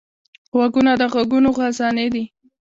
غوږونه د غږونو خزانې دي